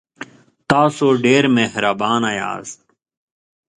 تاسو ډیر مهربانه یاست.